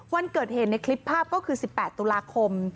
วันเกิดเหตุในคลิปภาพก็คือ๑๘ตุลาคม